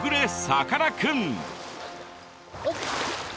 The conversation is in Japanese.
さかなクン！